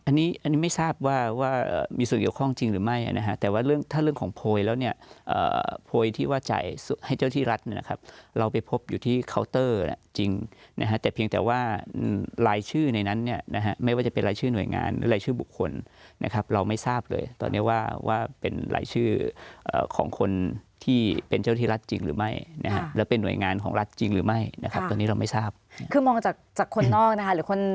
อันนี้อันนี้ไม่ทราบว่าว่ามีส่วนเกี่ยวข้องจริงหรือไม่นะฮะแต่ว่าเรื่องถ้าเรื่องของโพยแล้วเนี่ยโพยที่ว่าจ่ายให้เจ้าที่รัฐนะครับเราไปพบอยู่ที่เคาน์เตอร์จริงนะฮะแต่เพียงแต่ว่ารายชื่อในนั้นเนี่ยนะฮะไม่ว่าจะเป็นรายชื่อหน่วยงานรายชื่อบุคคลนะครับเราไม่ทราบเลยตอนนี้ว่าว่าเป็นรายชื่อของคนที่เป็นเจ้